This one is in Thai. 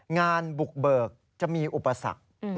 งานบุกเบิกจะมีอุปสรรค